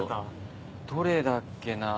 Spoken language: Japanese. どれだっけな。